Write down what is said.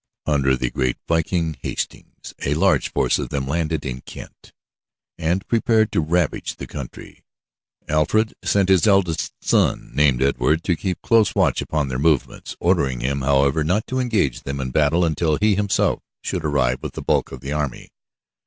Under the great viking, Hastings, a large force of them landed in Kent, and prepared to ravage the country. Alfred sent his eldest son, named Edward, to keep close watch upon their movements, ordering him, however, not to engage them in battle until he himself should arrive with the bulk of the army.